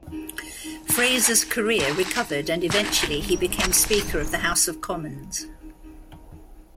Fraser's career recovered and eventually he became Speaker of the House of Commons.